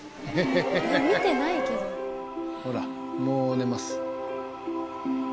ほらもう寝ます。